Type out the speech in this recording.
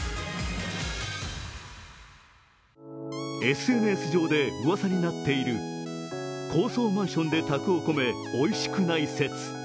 ＳＮＳ上でうわさになっている高層マンションで炊くお米おいしくない説。